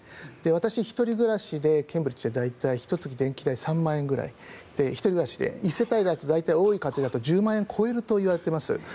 私は一人暮らしでケンブリッジで大体ひと月で３万円ぐらいで１人暮らしで１世帯だと大体、多い家庭で１０万円を超えるといわれています。